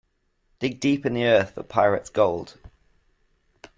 Dig deep in the earth for pirate's gold.